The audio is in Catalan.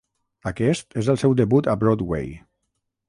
Aquest és el seu debut a Broadway.